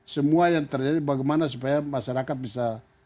semua yang terjadi bagaimana supaya masyarakat bisa